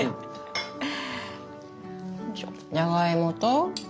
じゃがいもと？